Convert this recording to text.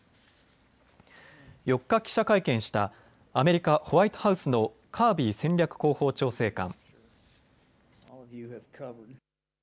４日、記者会見したアメリカ・ホワイトハウスのカービー戦略広報調整官。